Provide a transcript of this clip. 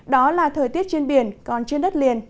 đó là thời tiết trên biển còn trên đất liền